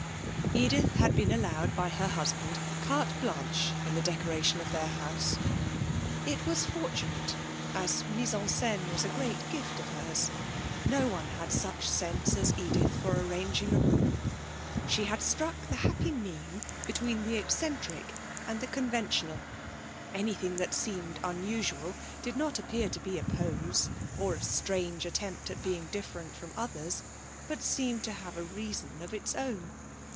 Edith had been allowed by her husband carte blanche in the decoration of their house. This was fortunate, as mise en scène was a great gift of hers; no one had such a sense as Edith for arranging a room. She had struck the happy mean between the eccentric and the conventional. Anything that seemed unusual did not appear to be a pose, or a strained attempt at being different from others, but seemed to have a reason of its own.